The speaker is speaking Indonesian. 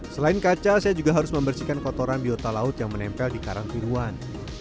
selain kaca saya juga harus membersihkan kotoran biota laut yang menempel di karang tiruan